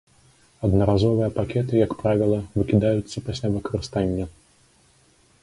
Аднаразовыя пакеты, як правіла, выкідаюцца пасля выкарыстання.